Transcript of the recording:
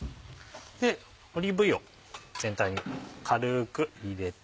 オリーブ油を全体に軽く入れて。